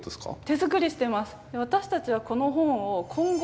手作りしてます。